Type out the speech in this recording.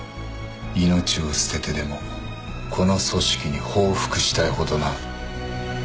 「命を捨ててでもこの組織に報復したいほどな」